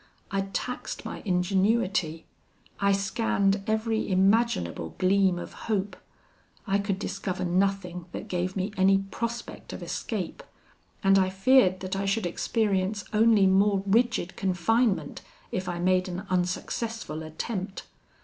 I taxed my ingenuity: I scanned every imaginable gleam of hope I could discover nothing that gave me any prospect of escape, and I feared that I should experience only more rigid confinement, if I made an unsuccessful attempt.